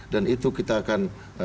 dan itu kita akan